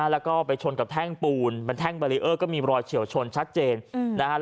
แล้วก็ไปชนกับแท่งปูนแท่งเบอร์เลี้ยวก็มีรอยเฉวชนชัดเจน